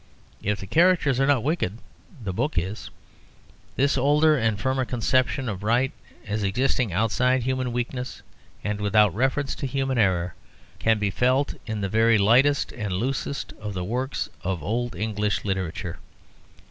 If the characters are not wicked, the book is. This older and firmer conception of right as existing outside human weakness and without reference to human error can be felt in the very lightest and loosest of the works of old English literature.